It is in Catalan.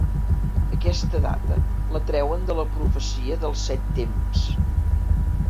Aquesta data la treuen de la Profecia dels Set Temps.